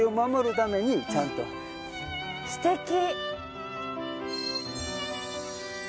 すてき！